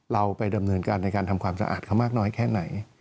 เราไปดำเนินการในการทำความสะอาดเขามากน้อยแค่ไหน